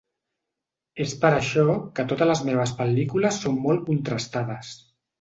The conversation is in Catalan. És per això que totes les meves pel·lícules són molt contrastades.